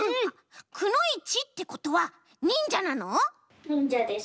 くのいちってことはにんじゃなの？にんじゃです。